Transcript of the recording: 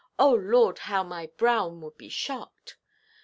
Oh Lord, how my Brown would be shocked!")